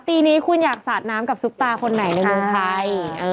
ปีนี้คุณอยากสาดน้ำกับซุปตาคนไหนในเมืองไทย